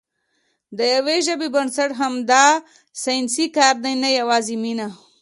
د یوې ژبې بنسټ همدا ساینسي کار دی، نه یوازې مینه.